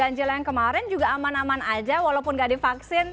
apakah itu ganjil yang kemarin juga aman aman aja walaupun nggak di vaksin